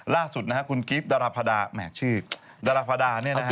ล่าสุดนะครับคุณกิฟต์ดรพดาแหมดชื่อดรพดาเนี่ยนะครับ